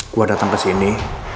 gue datang kesini